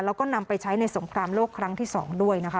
แล้วก็นำไปใช้ในสงครามโลกครั้งที่๒ด้วยนะคะ